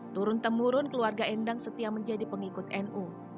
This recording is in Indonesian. turun temurun keluarga endang setia menjadi pengikut nu